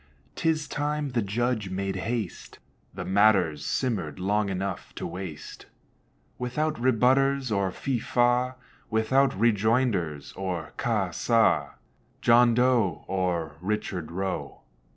'Tis time the judge made haste, The matter's simmered long enough to waste, Without rebutters or fi, fa, Without rejoinders or ca, sa, John Doe, Or Richard Roe.